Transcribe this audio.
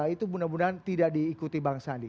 itu mudah mudahan tidak diikuti bang sandi